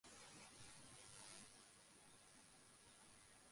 সকলের হিত-কামনা ছিল তাঁহার লক্ষ্য।